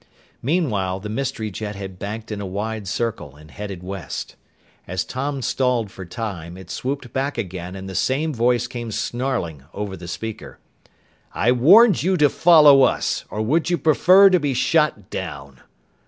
Meanwhile, the mystery jet had banked in a wide circle and headed west. As Tom stalled for time, it swooped back again and the same voice came snarling over the speaker. "_I warned you to follow us! Or would you prefer to be shot down?